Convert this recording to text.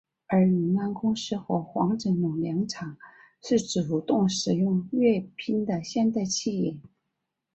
而永安公司和黄振龙凉茶是主动使用粤拼的现代企业。